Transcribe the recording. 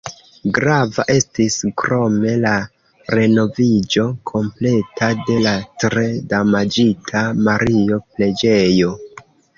Grava estis krome la renoviĝo kompleta de la tre damaĝita Mario-preĝejo.